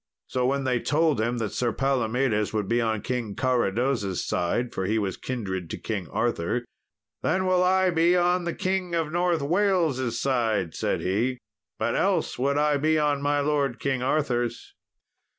So when they told him that Sir Palomedes would be on King Carados' side for he was kindred to King Arthur "Then will I be on the King of North Wales' side," said he, "but else would I be on my lord King Arthur's."